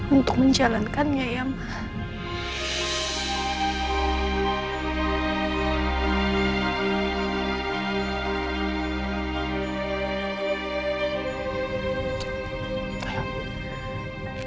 untuk menjalankannya ya mak